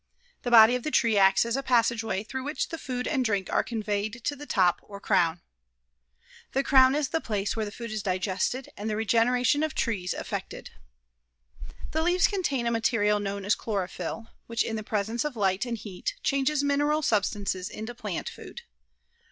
The body of the tree acts as a passage way through which the food and drink are conveyed to the top or crown. The crown is the place where the food is digested and the regeneration of trees effected. The leaves contain a material known as chlorophyll, which, in the presence of light and heat, changes mineral substances into plant food.